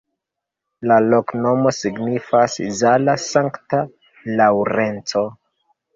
La loknomo signifas: Zala-Sankta Laŭrenco.